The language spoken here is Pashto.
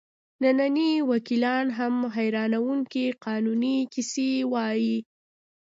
ننني وکیلان هم حیرانوونکې قانوني کیسې وایي.